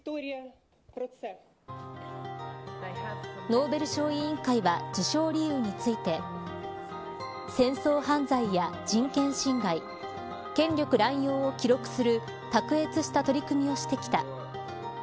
ノーベル賞委員会は授賞理由について戦争犯罪や人権侵害権力乱用を記録する卓越した取り組みをしてきた。